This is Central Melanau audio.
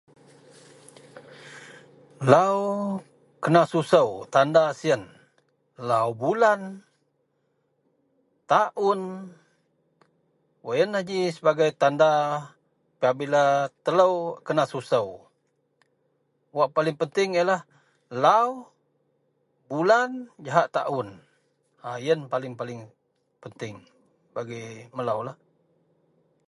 Awan gak takan kou diyem itou bilem angai ji. Ji bila- bila masa un ji bak ujan serta bak bungaih ji jumit, sebap bei pangai tan kuman bah laan yen mapun gidei.